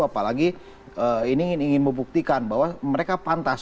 apalagi ini ingin membuktikan bahwa mereka pantas